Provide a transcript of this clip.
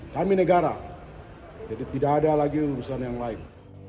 kami negara jadi tidak ada lagi urusan yang lain